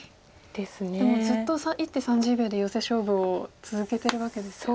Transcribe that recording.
でもずっと１手３０秒でヨセ勝負を続けてるわけですよね。